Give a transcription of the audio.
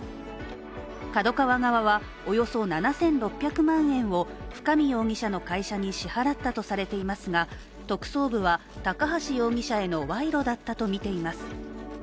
ＫＡＤＯＫＡＷＡ側は、およそ７６００万円を深見容疑者の会社に支払ったとされていますが特捜部は高橋容疑者への賄賂だったとみています。